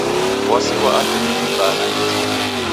W'asi ghwa akili ni m'baa nandighi.